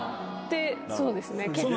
そうですね。